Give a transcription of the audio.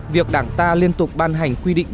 việc đảng ta liên tục ban hành quy định